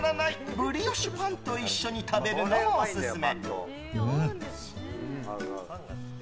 ブリオッシュパンと一緒に食べるのもオススメ。